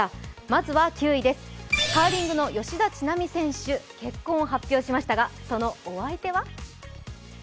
まずは９位です、カーリングの吉田知那美選手、結婚を発表しましたがそのお相手は？